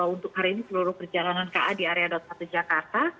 untuk hari ini seluruh perjalanan ka di area daup satu jakarta